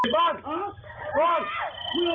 เล่น